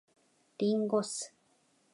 林檎酢